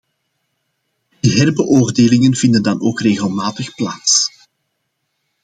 Die herbeoordelingen vinden dan ook regelmatig plaats.